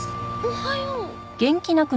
おはよう。